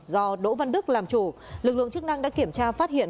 do đỗ văn đức làm chủ lực lượng chức năng đã kiểm tra phát hiện